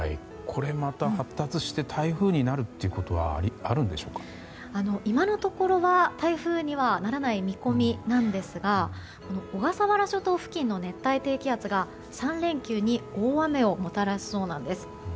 これ、また発達して台風になるということは今のところは台風にはならない見込みなんですが小笠原諸島付近の熱帯低気圧が３連休に大雨をもたらしそうなんです。